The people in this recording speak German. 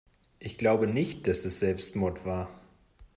Ich glaube nicht, dass es Selbstmord war.